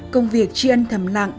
công việc tri ân thầm lặng